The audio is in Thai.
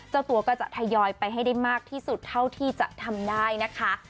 เจ้าตัวก็จะทยอยไปให้ได้มากที่สุดเท่าที่จะทำได้นะคะ